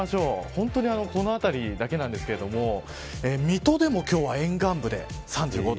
本当にこの辺りだけなんですけど水戸でも今日は沿岸部で３５度。